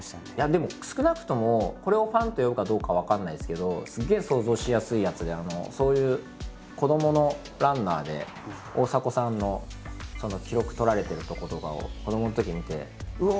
でも少なくともこれをファンと呼ぶかどうか分かんないですけどすげえ想像しやすいやつでそういう子どものランナーで大迫さんの記録とられてるとことかを子どものときに見てうお！